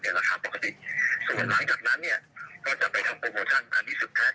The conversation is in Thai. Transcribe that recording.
ส่วนหลังจากนั้นก็จะไปทำโปรโมชั่นอันนี้สุดท้ายแน่